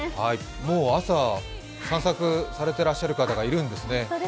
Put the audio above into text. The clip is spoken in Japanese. もう朝、散策されてらっしゃる方がいますね。